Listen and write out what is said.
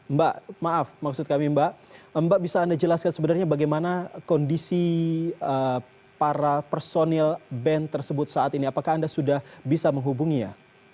mbak maaf maksud kami mbak mbak bisa anda jelaskan sebenarnya bagaimana kondisi para personil band tersebut saat ini apakah anda sudah bisa menghubungi ya